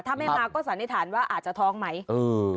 ถ้าไม่มาก็สันนิษฐานว่าอาจจะท้องไหม